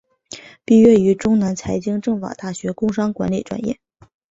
毕业于中南财经政法大学工商管理专业。